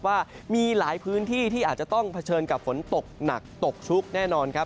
ว่ามีหลายพื้นที่ที่อาจจะต้องเผชิญกับฝนตกหนักตกชุกแน่นอนครับ